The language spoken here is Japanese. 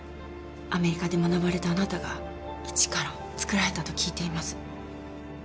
アメリカで学ばれたあなたが一から作られたと聞いています。